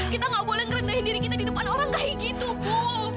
kita nggak boleh gerendahin diri kita di depan orang kayak gitu ibu